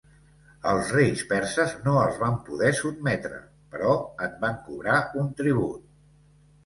Els reis perses no els van poder sotmetre però en van cobrar un tribut.